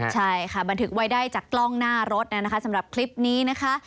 ใช่บันทึกไว้ได้จากกล้องหน้ารถสำหรับคลิปนี้